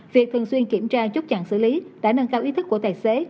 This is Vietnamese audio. việc thường xuyên kiểm tra chốt chặn xử lý đã nâng cao ý thức của tài xế